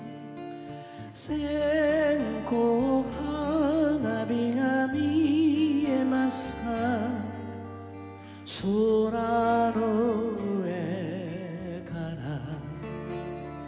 「線香花火が見えますか空の上から」